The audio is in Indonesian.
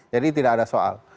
jadi tidak ada soal